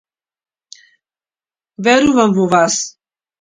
Верувам во вас.